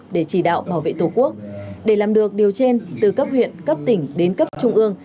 để chỉ đạo bảo vệ tổ quốc để làm được điều trên từ cấp huyện cấp tỉnh đến cấp trung ương